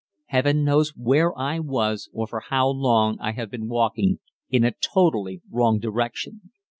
Heaven knows where I was or for how long I had been walking in a totally wrong direction.